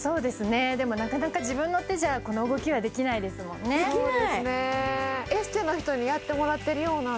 でもなかなか自分の手じゃこの動きはできないですもんねできない！